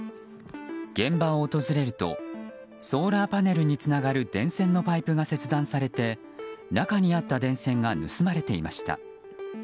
現場を訪れるとソーラーパネルにつながる電線のパイプが切断されて、中にあった電線が盗まれていました。